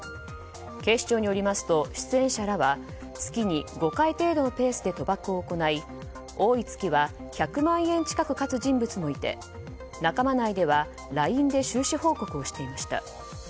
警視庁によりますと、出演者らは月に５回程度のペースで賭博を行い多い月は１００万円近く勝つ人物もいて仲間内ではＬＩＮＥで収支報告をしていました。